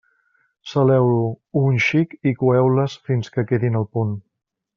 Saleu-ho un xic i coeu-les fins que quedin al punt.